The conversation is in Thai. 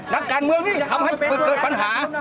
นักการเมืองนี่ทำให้เกิดปัญหา